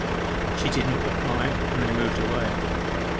She did not reply, and they moved away.